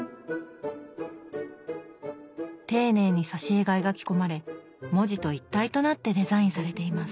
丁寧に挿絵が描き込まれ文字と一体となってデザインされています。